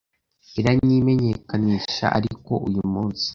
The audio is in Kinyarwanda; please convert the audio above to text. iranyimenyekanisha ariko uyu munsi